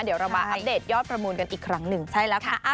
เดี๋ยวเรามาอัปเดตยอดประมูลกันอีกครั้งหนึ่งใช่แล้วค่ะ